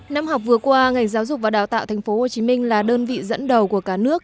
năm học vừa qua ngành giáo dục và đào tạo tp hcm là đơn vị dẫn đầu của cả nước